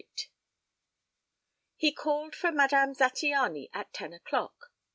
XXVIII He called for Madame Zattiany at ten o'clock.